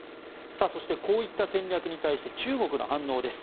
そしてこういった戦略に対して中国の反応です。